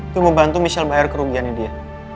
gue mau bantu michelle bayar kerugiannya dia